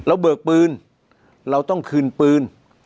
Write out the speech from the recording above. เบิกปืนเราต้องคืนปืน